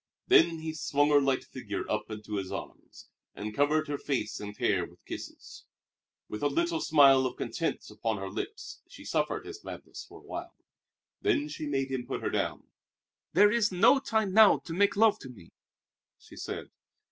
Then he swung her light figure up into his arms, and covered her face and hair with kisses. With a little smile of content upon her lips she suffered his madness for a while. Then she made him put her down. "There is no time now to make love to me," she said.